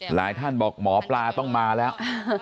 หลายท่านบอกหมอปลาต้องมาแล้ว